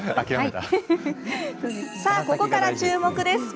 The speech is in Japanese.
さあ、ここから注目です。